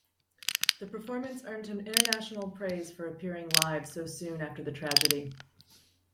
The performance earned him international praise for appearing live so soon after the tragedy.